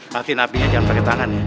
matiin apinya jangan pakai tangan